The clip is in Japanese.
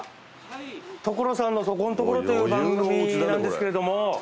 「所さんのそこんトコロ！」という番組なんですけれども。